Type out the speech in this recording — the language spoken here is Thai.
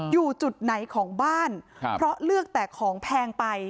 อยู่จุดไหนของบ้านครับเพราะเลือกแต่ของแพงไป